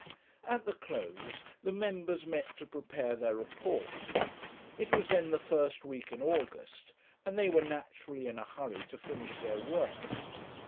At the close the members met to prepare their report. It was then the first week in August, and they were naturally in a hurry to finish their work.